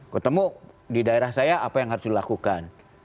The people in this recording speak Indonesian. ketemu di daerah saya apa yang harus dilakukan